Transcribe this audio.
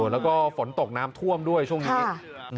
แล้วก็ฝนตกน้ำท่วมด้วยช่วงนี้